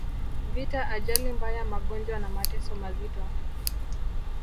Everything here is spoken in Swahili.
vita ajali mbaya magonjwa na mateso mazito